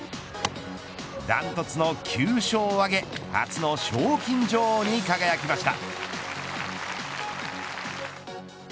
ダントツの９勝を挙げ初の賞金女王に輝きました。